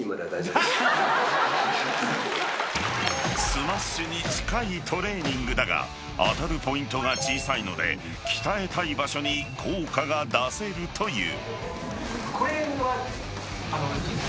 ［スマッシュに近いトレーニングだが当たるポイントが小さいので鍛えたい場所に効果が出せるという］